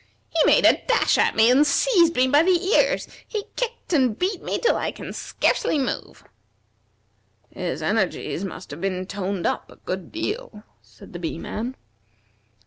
He made a dash at me and seized me by the ears; he kicked and beat me till I can scarcely move." "His energies must have been toned up a good deal," said the Bee man.